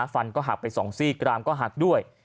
ฟันก็หักไป๒ซี่กรามก็หักด้วย